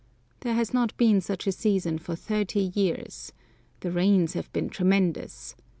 There has not been such a season for thirty years. The rains have been tremendous.